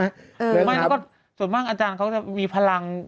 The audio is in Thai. หรือไม่แล้วก็ส่วนมากอาจารย์เขาจะมีพลัง